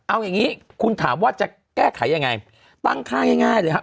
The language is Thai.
เอาอย่างนี้คุณถามว่าจะแก้ไขยังไงตั้งค่าง่ายเลยครับ